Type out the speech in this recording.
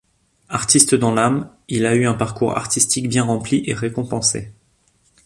Artiste dans l'âme, il a eu un parcours artistique bien rempli et récompensé.